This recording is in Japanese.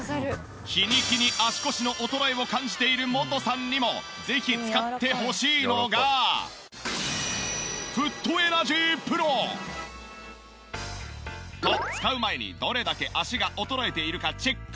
日に日に足腰の衰えを感じているモトさんにもぜひ使ってほしいのが。と使う前にどれだけ足が衰えているかチェック。